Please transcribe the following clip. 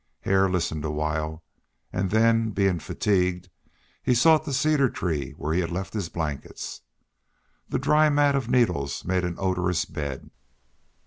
Hare listened awhile, and then, being fatigued, he sought the cedar tree where he had left his blankets. The dry mat of needles made an odorous bed.